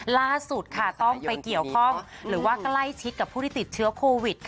ล่าสุดจะต้องอยู่กับผู้ที่ติดเชื้อโคนวิด